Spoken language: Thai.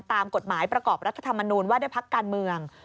ตามกฎหมายประกอบรัฐธรรมนูญว่าด้วยพักการเมือง